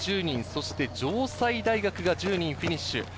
そして城西大学が１０人フィニッシュ。